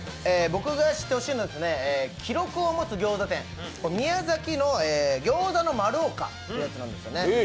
僕が知ってほしいのは記録を持つギョーザ店、宮崎のぎょうざの丸岡というやつなんですね。